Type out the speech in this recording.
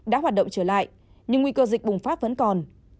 đã hoạt động trở lại nhưng nguy cơ dịch bùng phát vẫn còn